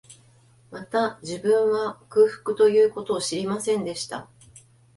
また、自分は、空腹という事を知りませんでした